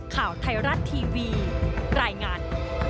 ข่าวไทยรัฐทีวีรายงาน